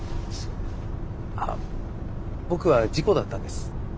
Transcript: あ僕は事故だったんです。